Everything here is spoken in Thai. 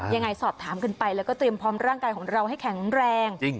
ยังไงสอบถามกันไปแล้วก็เตรียมพร้อมร่างกายของเราให้แข็งแรง